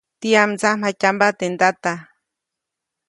¿tiyam mdsamjatyamba teʼ ndata?